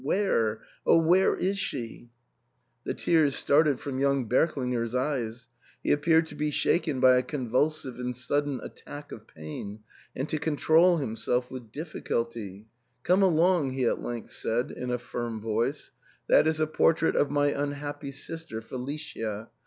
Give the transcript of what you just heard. Where — oh ! where is she ?" The tears started from young Berklinger's eyes ; he appeared to be shaken by a convulsive and sudden attack of pain, and to control himself with difficulty. " Come along," he at length said, in a firm voice, " that is a portrait of my unhappy sister Felicia.